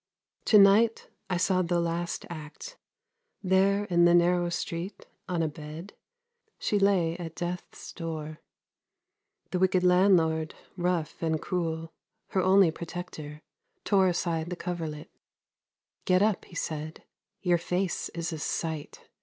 To night I saw the last act. There, in the narrow street, on a bed, she lay at death's door. The wicked landlord, rough and cruel, her only protector, tore aside the coverlet. ' Get up !' he said. ' Your face is a sight.